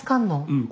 うん。